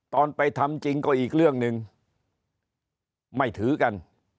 ตอนไปทำจริงก็อีกเรื่องหนึ่งไม่ถือกัน